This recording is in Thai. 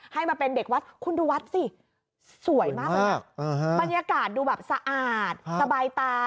ให้มาเป็นเด็กวัดคุณดูวัดสิสวยมากเลยบรรยากาศดูแบบสะอาดสบายตา